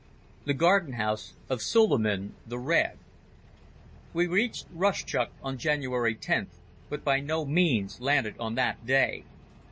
The Garden House of Suliman the Red We reached Rustchuk on January 10th, but by no means landed on that day.